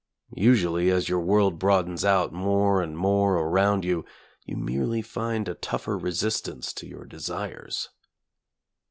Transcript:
Usually as your world broadens out more and more around you, you merely find a tougher resistance to your de sires.